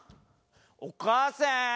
お母さぁん。